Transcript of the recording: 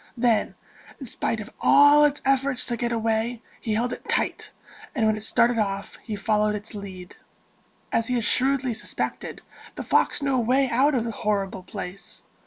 Then, in spite of all its efforts to get away, he held it tight; and when it started off, he followed its lead. As he had shrewdly suspected, the fox knew a way out of the horrible place.